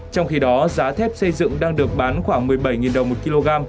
trong khi đó giá thép xây dựng đang được bán khoảng một mươi bảy đồng một kg